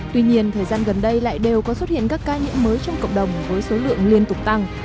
tuy nhiên thời gian gần đây lại đều có xuất hiện các ca nhiễm mới trong cộng đồng với số lượng liên tục tăng